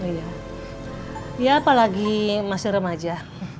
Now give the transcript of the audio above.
iya apalagi mah serem aja